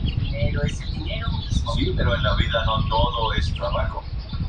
Se encuentra en Madagascar y Sudeste de Asia.